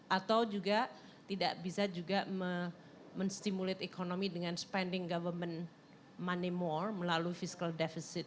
atau juga tidak bisa juga menstimulat ekonomi dengan spending government money more melalui fiscal deficit